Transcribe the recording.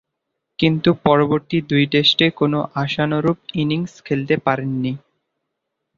কিন্তু, পরবর্তী দুই টেস্টে কোন আশানুরূপ ইনিংস খেলতে পারেননি।